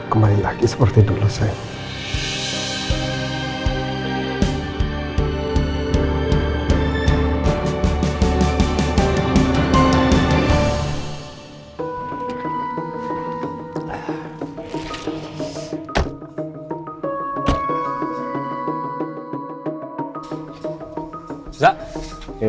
kembali lagi seperti dulu sayang